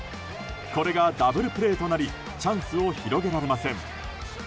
これがダブルプレーとなりチャンスを広げられません。